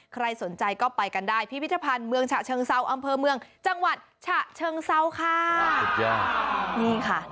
ใครสนใจก็ไปกันได้พิพิธภัณฑ์เมืองฉะเชิงเซาอำเภอเมืองจังหวัดฉะเชิงเซาค่ะสุดยอดนี่ค่ะ